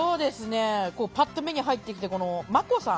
パッと目に入ってきたこのまこさん。